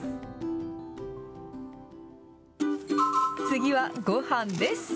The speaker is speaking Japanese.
次は、ごはんです。